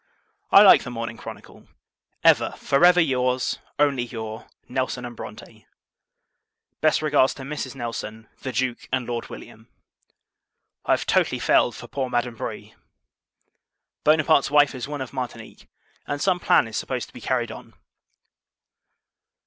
I like the Morning Chronicle. Ever, for ever, your's, only your, NELSON & BRONTE. Best regards to Mrs. Nelson, the Duke, and Lord William. I have totally failed for poor Madame Brueys. Bonaparte's wife is one of Martinique, and some plan is supposed to be carried on.